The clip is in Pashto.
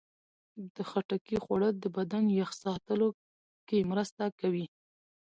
د خټکي خوړل د بدن یخ ساتلو کې مرسته کوي.